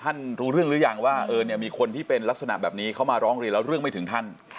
รู้เรื่องหรือยังว่ามีคนที่เป็นลักษณะแบบนี้เขามาร้องเรียนแล้วเรื่องไม่ถึงท่าน